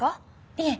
いえ。